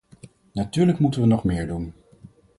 Natuurlijk moeten we nog meer doen.